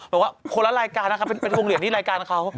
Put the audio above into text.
บอกว่าคนละรายการนะครับเป็นวงเหรียญที่รายการเขา